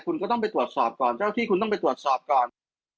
คุณก็ต้องไปตรวจสอบก่อนเจ้าที่คุณต้องไปตรวจสอบก่อน